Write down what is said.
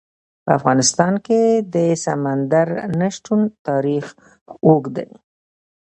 په افغانستان کې د سمندر نه شتون تاریخ اوږد دی.